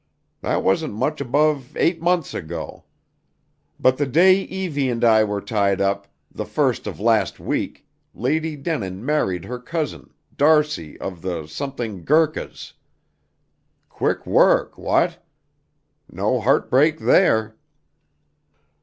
That wasn't much above eight months ago. But the day Evie and I were tied up, the first of last week, Lady Denin married her cousin, d'Arcy of the th Gurkhas. Quick work what? No heartbreak there!"